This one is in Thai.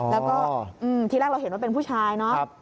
แล้วก็ทีแรกเราเห็นว่าเป็นผู้ชายเนาะ